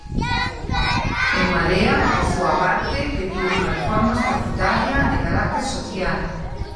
En Marea, por súa parte, pediu unha reforma estatutaria de carácter social.